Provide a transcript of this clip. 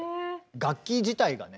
楽器自体がね